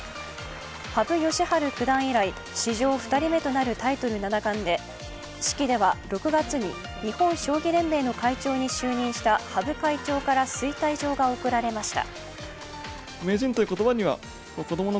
羽生善治九段以来、史上２人目となるタイトル七冠で、式では６月に日本将棋連盟の会長に就任した羽生会長から推戴状が贈られました。